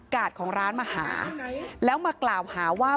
ของร้านมาหาแล้วมากล่าวหาว่า